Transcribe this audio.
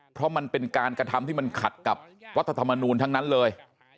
เพราะมันเป็นการกระทำที่มันขัดกับรัฐธรรมนูลทั้งนั้นเลย